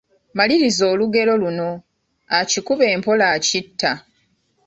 Maliriza olugero luno: Akikuba empola akitta...